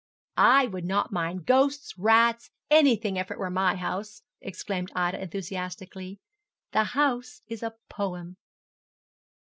'I would not mind ghosts, rats, anything, if it were my house' exclaimed Ida, enthusiastically. 'The house is a poem.'